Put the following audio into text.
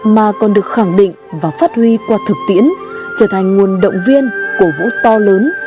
mà còn được khẳng định và phát huy qua thực tiễn trở thành nguồn động viên cổ vũ to lớn